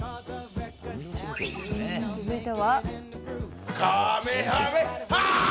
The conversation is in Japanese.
続いては。